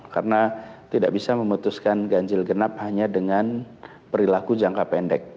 karena tidak bisa memutuskan ganjil genap hanya dengan perilaku jangka pendek